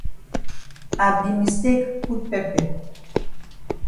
I be mistake put pepper.